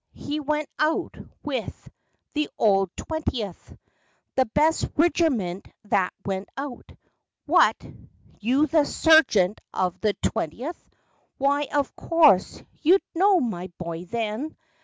He went out with the old twentieth, The best rigerment that went out! What! You the surgent of the twentieth! Why, of course you know'd my boy, then!